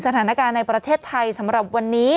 สถานการณ์ในประเทศไทยสำหรับวันนี้